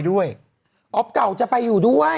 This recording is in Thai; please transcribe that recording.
ดื่มน้ำก่อนสักนิดใช่ไหมคะคุณพี่